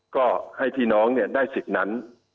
ก็ให้พี่น้องได้สิทธิ์นั้น